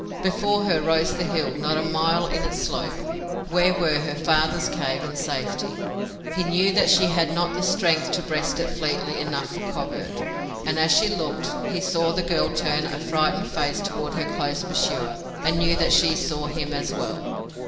Before her rose the hill, not a mile in its slope, where were her father's cave, and safety. He knew that she had not the strength to breast it fleetly enough for covert. And, as he looked, he saw the girl turn a frightened face toward her close pursuer and knew that she saw him as well.